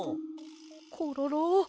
コロロ？